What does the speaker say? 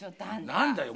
何だよ！